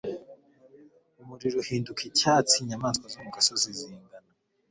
Umuriro uhinduka icyatsi inyamaswa zo mu gasozi zingana